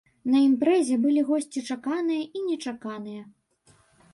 На імпрэзе былі госці чаканыя і нечаканыя.